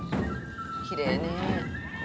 きれいね。